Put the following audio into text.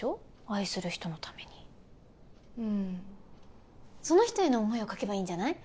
愛する人のためにうんその人への想いを書けばいいんじゃない？